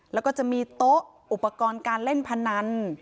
แล้วก็จะมีโต๊ะอุปกรณ์การเล่นพนัน